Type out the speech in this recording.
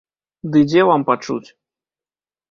Ды дзе вам пачуць?